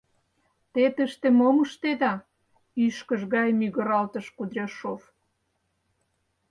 «Те тыште мом ыштеда?» — ӱшкыж гай мӱгыралтыш Кудряшов.